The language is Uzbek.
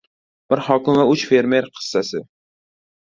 Bir hokim va uch fermer «qissasi»